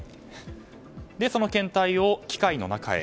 その検体を機械の中へ。